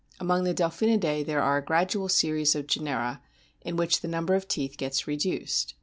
Among the Delphinidae there are a gradual series of genera, in which the number of teeth gets reduced.